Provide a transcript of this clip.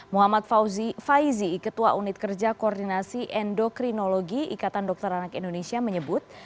muhammad faizi ketua unit kerja koordinasi endokrinologi ikatan dokter anak indonesia menyebut